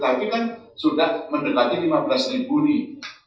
tapi kan sudah mendekati lima belas ribu nih